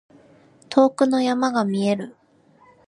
遠くの山が見える。